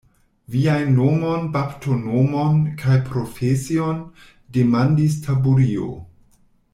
Viajn nomon, baptonomon kaj profesion, demandis Taburio.